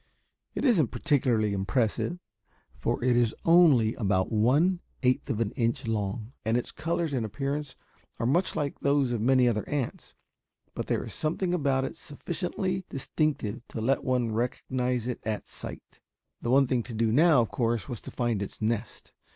It isn't particularly impressive, for it is only about one eighth of an inch long, and its colors and appearance are much like those of many other ants, but there is something about it sufficiently distinctive to let one recognize it at sight. The thing to do now, of course, was to find its nest.